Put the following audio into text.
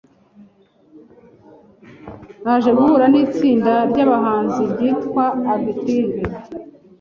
Naje guhura n’itsinda ry’abahanzi ryitwa Active.